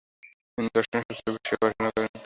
তিনি দর্শনশাস্ত্র বিষয়ে পড়াশোনা করেন।